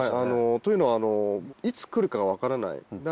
というのはいつ来るか分からない。